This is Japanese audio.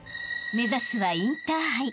［目指すはインターハイ。